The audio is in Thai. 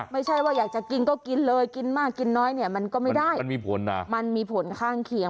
ไม่ใช่ว่าอยากจะกินก็กินเลยกินมากกินน้อยเนี่ยมันก็ไม่ได้มันมีผลนะมันมีผลข้างเคียง